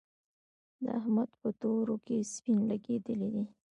د احمد په تورو کې سپين لګېدلي دي.